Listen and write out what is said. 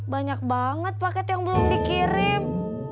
banyak banget paket yang belum dikirim